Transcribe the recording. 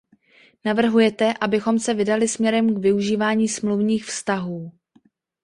Navrhujete, abychom se vydali směrem k využívání smluvních vztahů.